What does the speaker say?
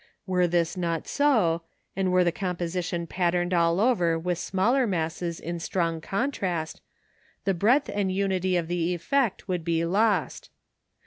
Were this not so, and were the composition patterned all over with smaller masses in strong contrast, the breadth and unity of the effect would be lost.